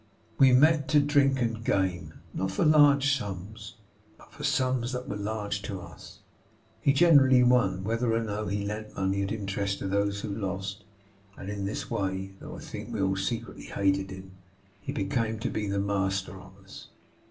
'We met to drink and game; not for large sums, but for sums that were large to us. He generally won. Whether or no, he lent money at interest to those who lost; and in this way, though I think we all secretly hated him, he came to be the master of us.